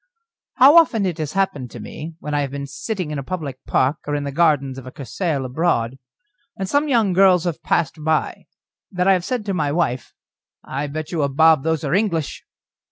How often it has happened to me, when I have been sitting in a public park or in the gardens of a Cursaal abroad, and some young girls have passed by, that I have said to my wife: "I bet you a bob those are English."